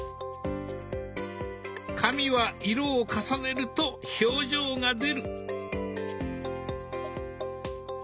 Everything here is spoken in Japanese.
髪は色を重ねると表情が出る。